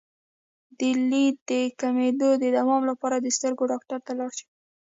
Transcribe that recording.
د لید د کمیدو د دوام لپاره د سترګو ډاکټر ته لاړ شئ